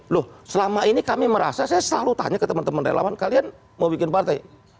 loh selama ini kami merasa saya selalu tanya ke teman teman relawan kalian mau bikin partai